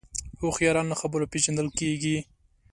هوښیاران له خبرو پېژندل کېږي